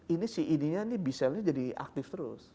ini si idinya nih b cellnya jadi aktif terus